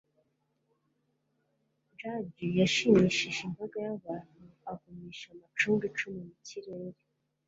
jugler yashimishije imbaga y'abantu agumisha amacunga icumi mu kirere